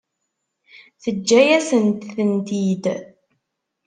Teǧǧa-yasent-tent-id?